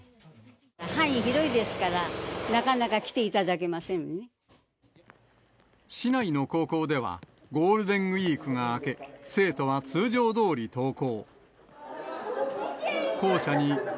範囲広いですから、市内の高校では、ゴールデンウィークが明け、生徒は通常どおり登校。